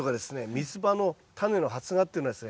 ミツバのタネの発芽っていうのはですね